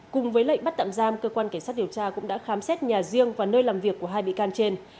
cùng với lệnh bắt tạm giam cơ quan cảnh sát điều tra cũng đã khám xét nhà riêng và nơi làm việc của hai bị can trên